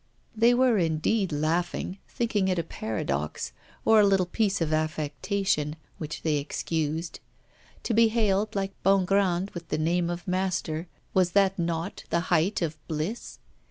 They were indeed laughing, thinking it a paradox, or a little piece of affectation, which they excused. To be hailed, like Bongrand, with the name of master was that not the height of bliss?